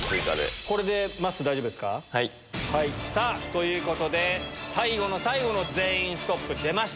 さあ、ということで、最後の最後の全員ストップ出ました。